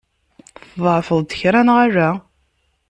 Tḍeɛfeḍ-d kra, neɣ ala?